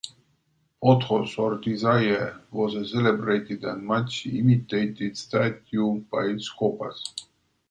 "Pothos", or "Desire", was a celebrated and much imitated statue by Scopas.